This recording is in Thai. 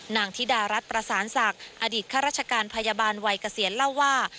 ธิดารัฐประสานศักดิ์อดีตข้าราชการพยาบาลวัยเกษียณเล่าว่า